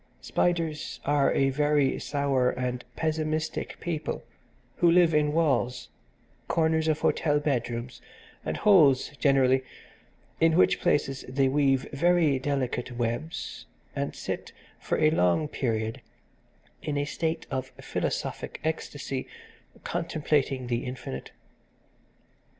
Spiders are a very sour and pessimistic people who live in walls, corners of hotel bedrooms and holes generally, in which places they weave very delicate webs, and sit for a long period in a state of philosophic ecstasy, contemplating the infinite.